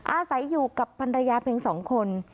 อาศัยอยู่กับปัญญาเพลงสองคน